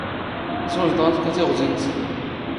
ⵥⵓⵥⴹⵖ ⴰⴷ ⴽⴰ ⵜⵉⵖⵥⵉⵏⴷ.